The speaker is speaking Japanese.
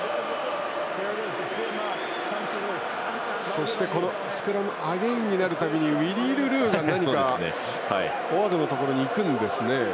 そしてスクラムがアゲインになるたびにウィリー・ルルーが何かフォワードのところに行くんですね。